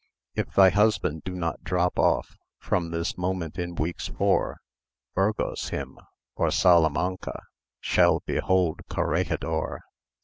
If thy husband do not drop off From this moment in weeks four, Burgos him, or Salamanca, Shall behold corregidor.